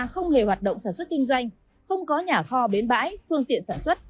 không hề hoạt động sản xuất kinh doanh không có nhà kho bến bãi phương tiện sản xuất